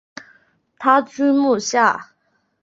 他居墓下。